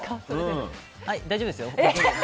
大丈夫ですよ。